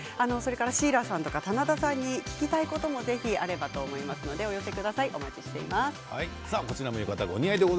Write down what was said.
シーラさんとか棚田さんに聞きたいこともぜひあるかと思いますのでお寄せください、お待ちしてい